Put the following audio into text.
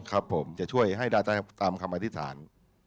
ครับผมจะช่วยให้ได้ตามคำอธิษฐาน